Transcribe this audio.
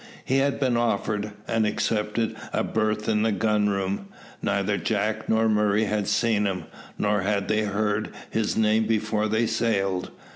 He had been offered, and accepted, a berth in the gun room. Neither Jack nor Murray had seen him, nor had they heard his name before they sailed.